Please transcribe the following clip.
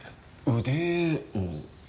「腕を」